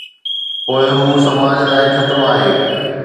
پوءِ هو سماج لاءِ خطرو آهي.